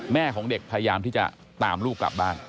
แม่ของเด็กพยายามที่จะตามลูกกลับบ้าน